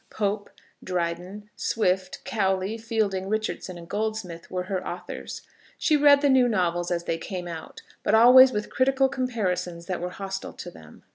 Pope, Dryden, Swift, Cowley, Fielding, Richardson, and Goldsmith, were her authors. She read the new novels as they came out, but always with critical comparisons that were hostile to them.